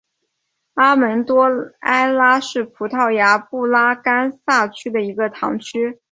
阿门多埃拉是葡萄牙布拉干萨区的一个堂区。